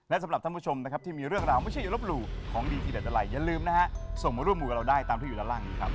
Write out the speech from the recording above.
และสำหรับท่านผู้ชมนะครับที่มีเรื่องราวไม่ใช่อยลบหลู่ของดีทีเด็ดอะไรอย่าลืมนะฮะส่งมาร่วมมูลกับเราได้ตามที่อยู่ด้านล่างนี้ครับ